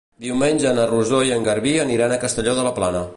Diumenge na Rosó i en Garbí aniran a Castelló de la Plana.